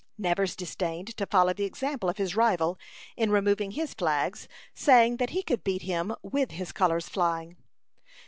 Nevers disdained to follow the example of his rival in removing his flags, saying that he could beat him with his colors flying.